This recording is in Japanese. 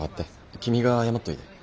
君が謝っといで。